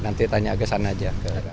nanti tanya ke sana aja